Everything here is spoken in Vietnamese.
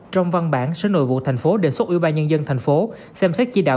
trong văn bản sở nội vụ thành phố đề xuất ủy ban nhân dân thành phố xem xét chỉ đạo